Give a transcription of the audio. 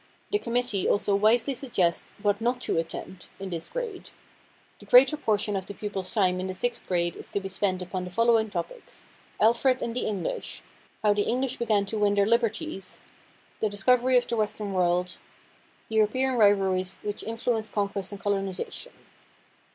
The committee also wisely suggests "what not to attempt" in this grade. The greater portion of the pupil's time in the sixth grade is to be spent upon the following topics: "Alfred and the English"; "How the English Began to Win Their Liberties"; "The Discovery of the Western World"; "European Rivalries Which Influenced Conquest and Colonization."